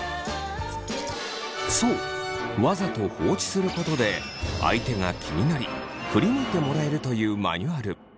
そうわざと放置することで相手が気になり振り向いてもらえるというマニュアル。